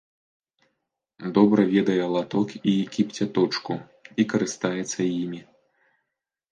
Добра ведае латок і кіпцяточку і карыстаецца імі.